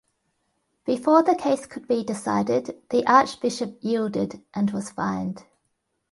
Before the case could be decided, the archbishop yielded and was fined.